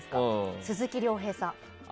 鈴木亮平さん。